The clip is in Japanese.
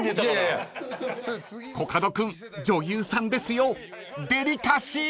［コカド君女優さんですよデリカシー！］